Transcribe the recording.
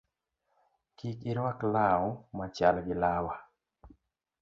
Kik iruak law machal gi lawa